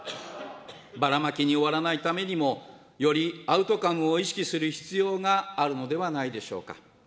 ばらまきに終わらないためにもよりアウトカムを意識する必要があるのではないでしょうか。